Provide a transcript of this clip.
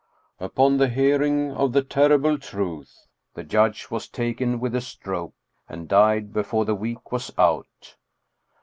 Upon the hearing of the terrible truth, the judge was taken with a stroke and died before the week was out.